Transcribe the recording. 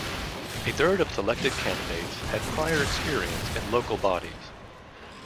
A third of selected candidates had prior experience in local bodies.